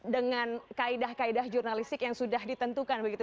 dengan kaedah kaedah jurnalistik yang sudah ditentukan begitu